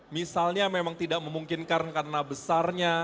misalnya memang tidak memungkinkan karena besarnya